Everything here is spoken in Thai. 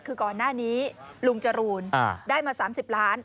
คือก่อนหน้านี้ลุงจรูนได้มา๓๐ล้าน